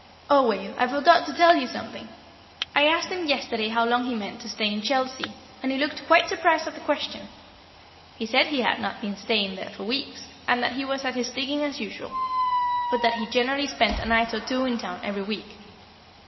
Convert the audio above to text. Oh, Wave, I forgot to tell you something. I asked him yesterday how long he meant to stay in Chelsea, and he looked quite surprised at the question. He said he had not been staying there for weeks, and that he was at his diggings as usual, but that he generally spent a night or two in town every week.